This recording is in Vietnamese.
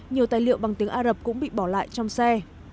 nhiều tài liệu bằng tiếng ả rập cũng bị bỏ lại trong xe